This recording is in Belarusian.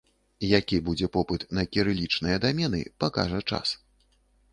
Які будзе попыт на кірылічныя дамены, пакажа час.